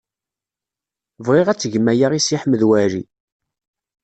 Bɣiɣ ad tgem aya i Si Ḥmed Waɛli.